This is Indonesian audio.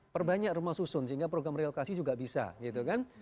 perbanyak rumah susun sehingga program relokasi juga bisa gitu kan